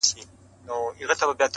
• په دومره سپینو کي عجیبه انتخاب کوي،